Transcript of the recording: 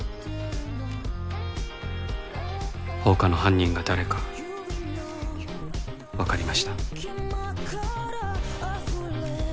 放火の犯人が誰かわかりました。